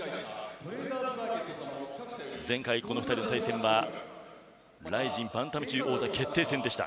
前回、この２人の対戦はＲＩＺＩＮバンタム級王座決定戦でした。